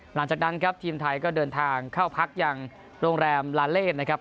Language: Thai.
หลังจากนั้นครับทีมไทยก็เดินทางเข้าพักอย่างโรงแรมลาเล่นะครับ